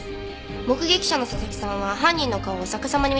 目撃者の佐々木さんは犯人の顔を逆さまに見ていました。